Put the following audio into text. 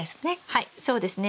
はいそうですね。